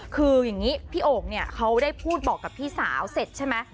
คืออย่างนี้พี่โอ่งเนี่ยเขาได้พูดบอกกับพี่สาวเสร็จใช่ไหม